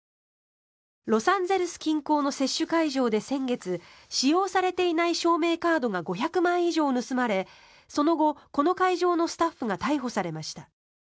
ロサンゼルス近郊の接種会場で先月使用されていない証明カードが５００枚以上盗まれその後、この会場のスタッフが逮捕されました。